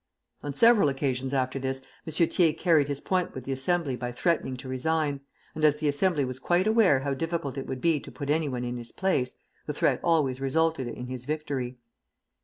On several occasions after this, M. Thiers carried his point with the Assembly by threatening to resign; and as the Assembly was quite aware how difficult it would be to put anyone in his place, the threat always resulted in his victory.